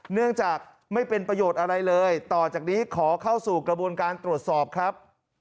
เนื่องจากไม่เป็นประโยชน์อะไรเลยต่อจากนี้ขอเข้าสู่กระบวนการตรวจสอบครับ